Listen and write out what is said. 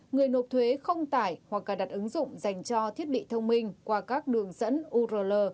người nộp thuế không tải hoặc cài đặt ứng dụng dành cho thiết bị thông minh qua các đường dẫn url